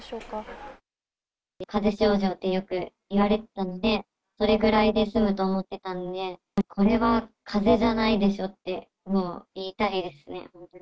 かぜ症状ってよく言われてたので、それぐらいで済むと思ってたんで、もうこれはかぜじゃないでしょってのを言いたいですね。